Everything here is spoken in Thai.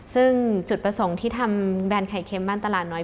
ซึ่งจุดประสงค์ที่ทำแบรนด์ไข่เค็มบ้านตลาดน้อย